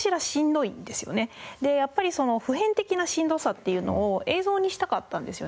でやっぱり普遍的なしんどさっていうのを映像にしたかったんですよね。